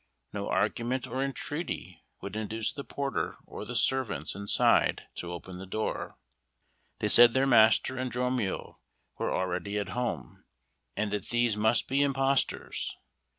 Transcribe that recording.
No argument or entreaty would induce the porter or the servants inside to open the door. They said their master and Dromio were already at home, and that these must be impostors.